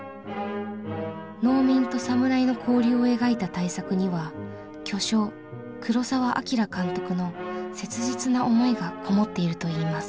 農民と侍の交流を描いた大作には巨匠黒澤明監督の切実な思いがこもっているといいます。